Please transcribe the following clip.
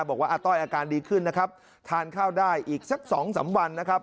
บอกว่าอ่าต้อยอาการดีขึ้นนะครับทานข้าวได้อีกสัก๒๓วันนะครับ